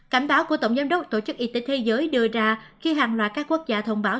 cảnh báo của tổng giám đốc tổ chức y tế thế giới đưa ra khi hàng loạt các quốc gia thông báo